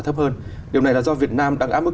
thấp hơn điều này là do việt nam đang áp mức